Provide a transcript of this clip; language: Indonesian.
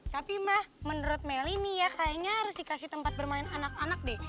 tapi mah menurut melly nih ya kayaknya harus dikasih tempat bermain anak anak deh